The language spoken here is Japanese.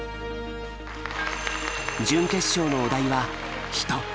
準決勝のお題は「人」。